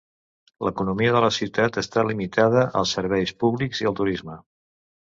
L'economia de la ciutat està limitada als serveis públics i al turisme.